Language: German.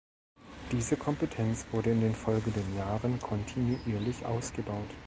Diese Kompetenz wurde in den folgenden Jahren kontinuierlich ausgebaut.